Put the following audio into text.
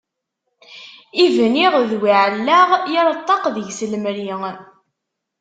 I bniɣ d wi ɛellaɣ, yal ṭṭaq deg-s lemri.